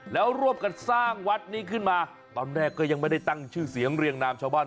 แล้วร่วมกันสร้างวัดนี้ขึ้นมาตอนแรกก็ยังไม่ได้ตั้งชื่อเสียงเรียงนามชาวบ้าน